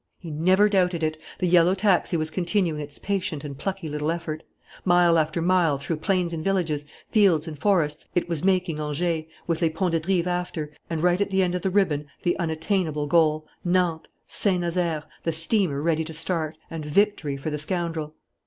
He never doubted it! The yellow taxi was continuing its patient and plucky little effort. Mile after mile, through plains and villages, fields and forests, it was making Angers, with Les Ponts de Drive after, and, right at the end of the ribbon, the unattainable goal: Nantes, Saint Nazaire, the steamer ready to start, and victory for the scoundrel....